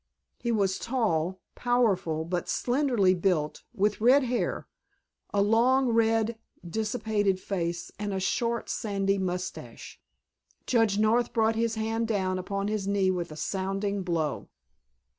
"He was tall, powerfully but slenderly built, with red hair, a long, red, dissipated face, and a short, sandy mustache." Judge North brought his hand down upon his knee with a sounding blow.